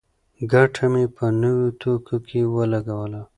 ګټه مې په نوو توکو کې ولګوله.